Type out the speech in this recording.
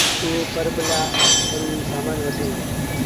اوٚ پرٻ لآ زروٚريٚ سآمآݩ وٺي